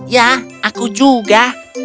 ya aku juga